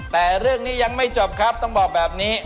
แต่เรื่องนี้ยังไม่จบครับต้องบอกแบบนี้